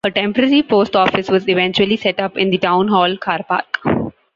A temporary Post Office was eventually set up in the town hall car park.